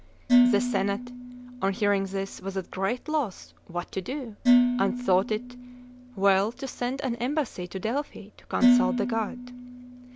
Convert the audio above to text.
The Senate, on hearing this, was at great loss what to do, and thought it well to send an embassy to Delphi to consult the god.